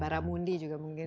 baramundi juga mungkin